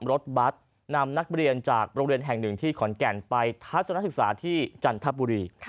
รถบัตรนำนักเรียนจากโรงเรียนแห่งหนึ่งที่ขอนแก่นไปทัศนศึกษาที่จันทบุรี